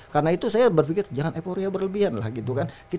karena itu saya berpikir jangan epornya berlebihan lah gitu kan